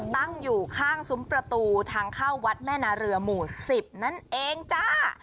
ตั้งอยู่ข้างซุ้มประตูทางเข้าวัดแม่นาเรือหมู่๑๐นั่นเองจ้า